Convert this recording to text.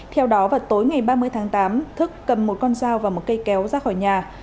theo đó vào tối ngày ba mươi tháng tám thức cầm một con dao và một cây kéo ra khỏi nhà